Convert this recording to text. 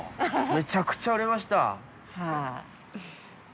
めちゃくちゃ売れました。